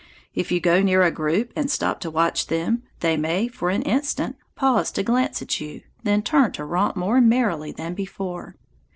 If you go near a group and stop to watch them, they may, for an instant, pause to glance at you, then turn to romp more merrily than before.